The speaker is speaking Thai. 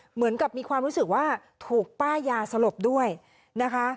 เหมือนกับมีความรู้สึกว่าถูกป้ายาสลบด้วยนะคะ